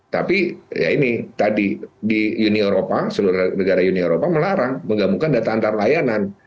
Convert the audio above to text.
tapi ya ini tadi di uni eropa seluruh negara uni eropa melarang menggabungkan data antar layanan